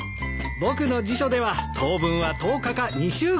僕の辞書では当分は１０日か２週間。